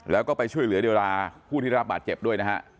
แล้วก็ไปช่วยเหลือเดราผู้ที่ได้รับบาดเจ็บด้วยนะฮะ